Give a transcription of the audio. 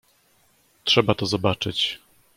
"Trzeba to zobaczyć."